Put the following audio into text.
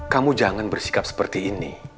kamu jangan bersikap seperti ini